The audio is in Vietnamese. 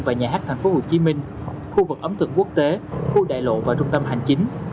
và nhà hát tp hcm khu vực ấm thực quốc tế khu đại lộ và trung tâm hành chính